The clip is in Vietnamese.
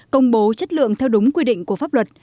công bố chất lượng theo đúng quy định của pháp luật